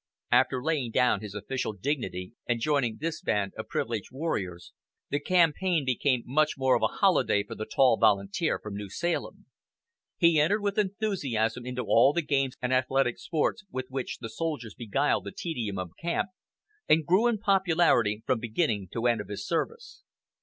After laying down his official dignity and joining this band of privileged warriors, the campaign became much more of a holiday for the tall volunteer from New Salem. He entered with enthusiasm into all the games and athletic sports with which the soldiers beguiled the tedium of camp, and grew in popularity from beginning to end of his service.